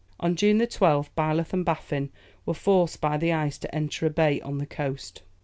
On June 12th, Byleth and Baffin were forced by the ice to enter a bay on the coast.